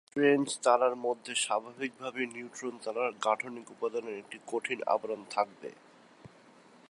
এই ধরনের স্ট্রেঞ্জ তারার মধ্যে স্বাভাবিকভাবেই নিউট্রন তারার গাঠনিক উপাদানের একটি কঠিন আবরণ থাকবে।